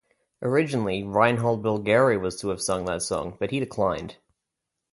Originally Reinhold Bilgeri was to have sung that song but he declined.